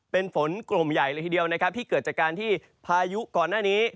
เป็นฝนกลุ่มใหญ่เลยทีเดียวนะครับที่เกิดจากการที่พายุก่อนหน้านี้